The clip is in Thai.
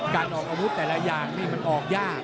การออกอาวุธแต่ละอย่างนี่มันออกยาก